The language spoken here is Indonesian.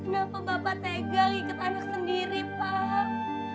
kenapa bapak tegang ikat anak sendiri pak